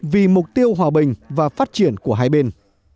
vì mục tiêu hòa bình và phát triển của hai bên